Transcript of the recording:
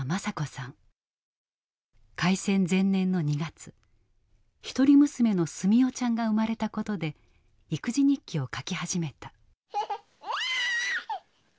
開戦前年の２月一人娘の住代ちゃんが生まれたことで育児日記を書き始めた。